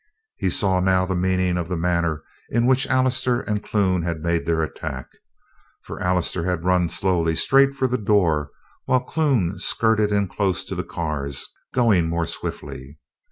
He saw now the meaning of the manner in which Allister and Clune made their attack. For Allister had run slowly straight for the door, while Clune skirted in close to the cars, going more swiftly.